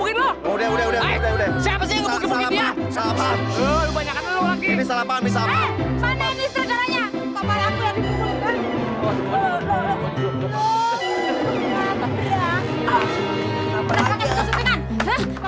udah udah udah udah udah udah przymo